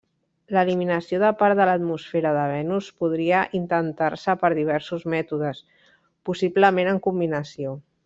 L'eliminació de part de l'atmosfera de Venus podria intentar-se per diversos mètodes, possiblement en combinació.